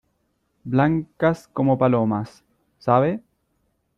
blancas como palomas. ¿ sabe?